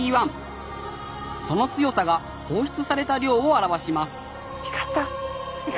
その強さが放出された量を表します光った！